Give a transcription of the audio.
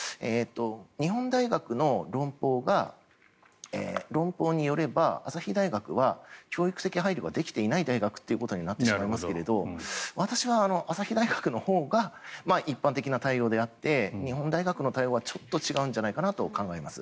日本大学の論法によれば朝日大学は教育的配慮ができていない大学ということになってしまいますが私は朝日大学のほうが一般的な対応であって日本大学の対応はちょっと違うんじゃないかと考えます。